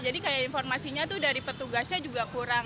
jadi kayak informasinya tuh dari petugasnya juga kurang